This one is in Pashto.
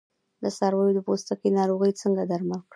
د څارویو د پوستکي ناروغۍ څنګه درمل کړم؟